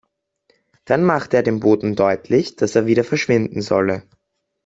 Dann machte er dem Boten deutlich, dass er wieder verschwinden solle.